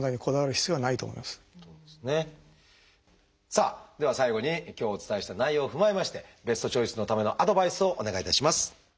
さあでは最後に今日お伝えした内容を踏まえましてベストチョイスのためのアドバイスをお願いいたします。